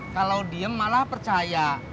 kalau diem malah percaya